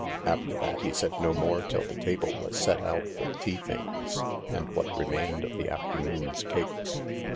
After that he said no more till the table was set out with tea things and what remained of the afternoon's cakes.